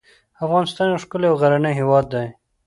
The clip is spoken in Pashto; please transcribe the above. افغانستان یو ښکلی او غرنی هیواد دی .